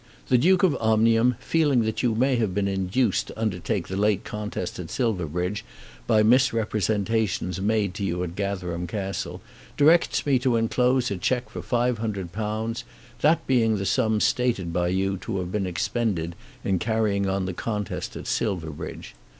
The Duke of Omnium, feeling that you may have been induced to undertake the late contest at Silverbridge by misrepresentations made to you at Gatherum Castle, directs me to enclose a cheque for £500, that being the sum stated by you to have been expended in carrying on the contest at Silverbridge.